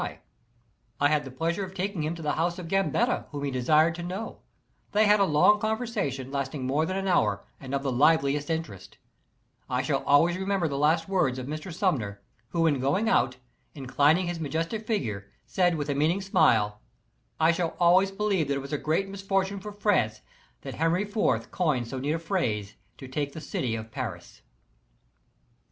I saw him for the last time at Paris; I had the pleasure of taking him to the home of Gambetta, whom he desired to know; they had a long conversation, lasting more than an hour, and of the liveliest interest I shall always remember the last words of Mr. Sumner, who in going out, inclining his majestic figure, said with a meaning smile: "My dear M. Gambetta, I shall always believe that it was a great misfortune for France that Henry Fourth coined so neat a phrase to take the city of Paris."